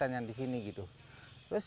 terus garisnya bertengkar color